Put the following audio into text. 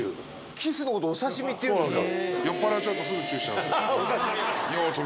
キスのことお刺し身っていうんですか。